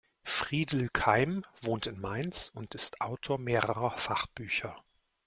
Friedel Keim wohnt in Mainz und ist Autor mehrerer Fachbücher.